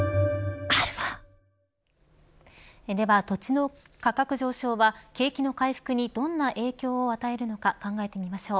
では、土地の価格上昇は景気の回復にどんな影響を与えるのか考えてみましょう。